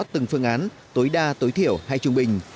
từng phương án tối đa tối thiểu hay trung bình